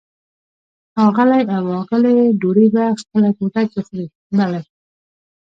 ښاغلی او آغلې ډوډۍ په خپله کوټه کې خوري؟ بلې.